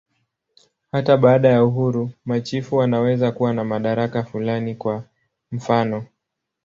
Hata baada ya uhuru, machifu wanaweza kuwa na madaraka fulani, kwa mfanof.